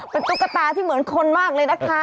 เป็นตุ๊กตาที่เหมือนคนมากเลยนะคะ